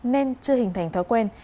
nên chưa hình thành thói quen